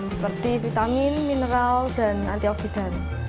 seperti vitamin mineral dan antioksidan